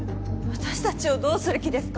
私達をどうする気ですか？